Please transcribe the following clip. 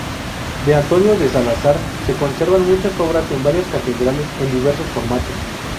De Antonio de Salazar se conservan muchas obras en varias catedrales en diversos formatos.